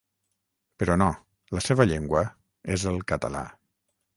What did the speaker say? Però no, la seva llengua és el català.